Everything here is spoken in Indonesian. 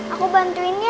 aku bantuin ya